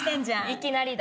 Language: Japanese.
いきなりだ。